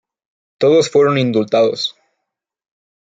Todos fueron indultados.